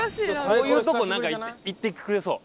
こういうとこなんかいってくれそう。